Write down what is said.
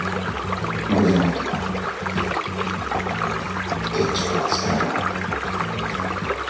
俺じゃないと決着はつけられない。